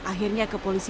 akhirnya kembali ke timsus